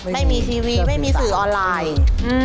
ไม่มีทีวีไม่มีสื่อออนไลน์